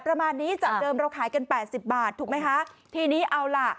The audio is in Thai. ประมาณนี้จากเดิมเราขายกันแปดสิบบาทถูกไหมคะทีนี้เอาล่ะ